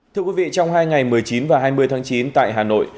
thưa quý vị trong hai ngày một mươi chín và hai mươi tháng chín tại hà nội